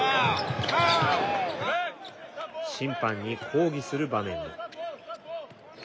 審判に抗議する場面も。